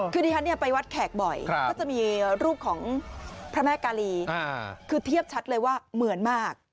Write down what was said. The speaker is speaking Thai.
คือดิฉันไปวัดแขกบ่อยก็จะมีรูปของพระแม่กาลีคือเทียบชัดเลยว่าเหมือนมาก